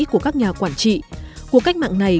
của các nhà quản trị cuộc cách mạng này